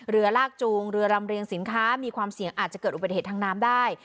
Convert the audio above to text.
เรือลากจูงเรือรำเรียงสินค้ามีความเสี่ยงอาจจะเกิดอุบัติเหตุทางน้ำได้